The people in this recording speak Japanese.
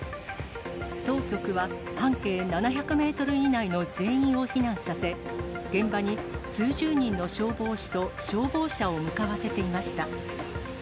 当局は半径７００メートル以内の全員を避難させ、現場に数十人の消防士と消防車を向かわせていました。